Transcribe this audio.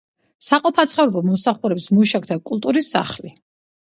საყოფაცხოვრებო მომსახურების მუშაკთა კულტურის სახლი.